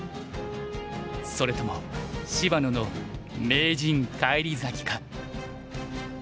それとも芝野の名人返り咲きか。